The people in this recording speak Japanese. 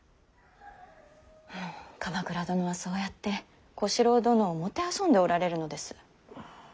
ふう鎌倉殿はそうやって小四郎殿を弄んでおられるのです。